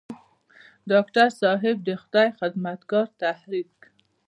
ډاکټر صېب د خدائ خدمتګار تحريک